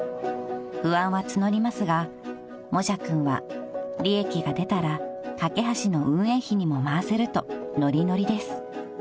［不安は募りますがもじゃくんは利益が出たらかけはしの運営費にも回せるとノリノリです］